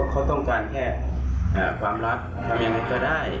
เขาต้องการแค่ความรักทำยังไงก็ได้